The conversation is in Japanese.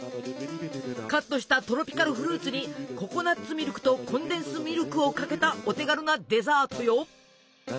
カットしたトロピカルフルーツにココナツミルクとコンデンスミルクをかけたお手軽なデザートよ。